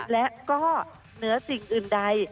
และก็เหนือสิ่งอื่นใด